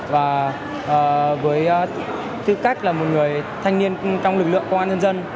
và với tư cách là một người thanh niên trong lực lượng công an nhân dân